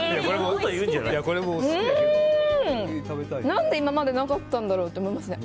何で今までなかったんだろうって思いますね。